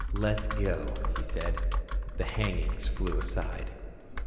"Let's go," he said. The hangings flew aside.